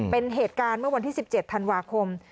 เป็นเหตุการณ์เมื่อวันที่๑๗ธันวาคม